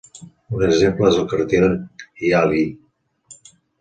Un exemple és el cartílag hialí.